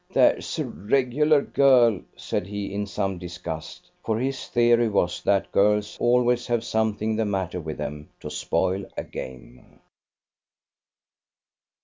"There's a regular girl!" said he in some disgust; for his theory was, that girls always have something the matter with them to spoil a game.